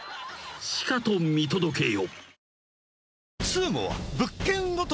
しかと見届けよ］